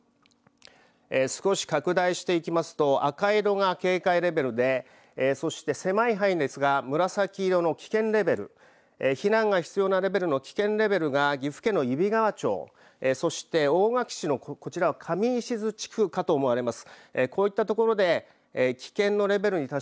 少し拡大していきますと赤色が警戒レベルでそして狭い範囲ですが紫色の危険レベル避難が必要なレベルの危険レベルが岐阜県の揖斐川町そして、おおがき市のこちらおおいしづ地区かと思われます。